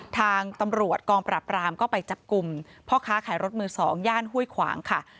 ทางตำรวจกองปราบรามก็ไปจับกลุ่มพ่อค้าขายรถมือ๒ย่านห้วยขวางค่ะ